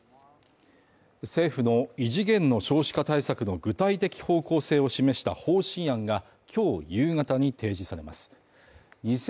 政府の異次元の少子化対策の具体的方向性を示した方針案が今日夕方に提示されます。